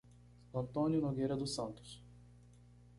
Antônio Nogueira dos Santos